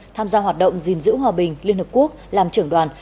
tham gia hoạt động gìn giữ hòa bình liên hợp quốc làm trưởng đoàn